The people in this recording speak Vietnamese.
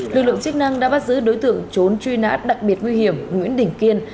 lực lượng chức năng đã bắt giữ đối tượng trốn truy nã đặc biệt nguy hiểm nguyễn đình kiên